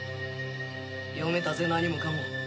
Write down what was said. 読めたぜ何もかも